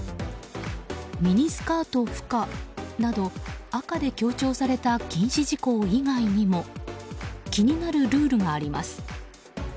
ミニスカート不可など赤で強調された禁止事項以外にも気になるルールがあります。